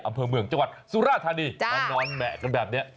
อำเภอเมืองจังหวัดสุราธานีมานอนแหมะกันแบบนี้